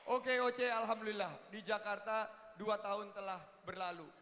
oke oke alhamdulillah di jakarta dua tahun telah berlalu